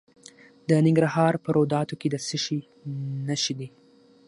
د ننګرهار په روداتو کې د څه شي نښې دي؟